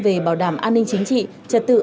về bảo đảm an ninh chính trị trật tự